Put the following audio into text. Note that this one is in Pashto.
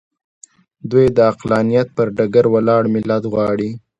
دوی د عقلانیت پر ډګر ولاړ ملت غواړي.